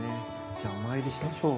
じゃあお参りしましょう。